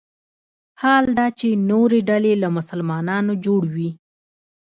حال دا چې نورې ډلې له مسلمانانو جوړ وي.